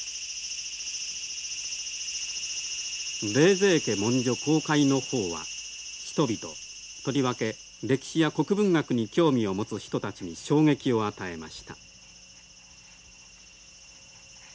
冷泉家文書公開の報は人々とりわけ歴史や国文学に興味を持つ人たちに衝撃を与えました。